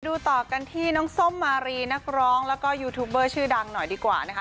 ต่อกันที่น้องส้มมารีนักร้องแล้วก็ยูทูบเบอร์ชื่อดังหน่อยดีกว่านะคะ